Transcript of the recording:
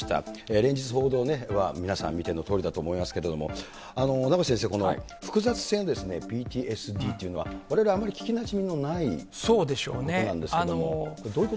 連日、報道は皆さん、見てのとおりだと思いますけれども、名越先生、この複雑性ＰＴＳＤというのは、われわれあまり聞きなじみのないことなんですけども。